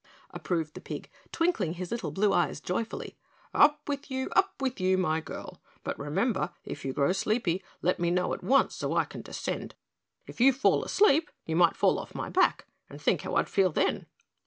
approved the pig, twinkling his little blue eyes joyfully. "Up with you, up with you, my girl, but remember, if you grow sleepy, let me know at once, so I can descend. If you fall asleep, you might fall off my back, and think how I'd feel then."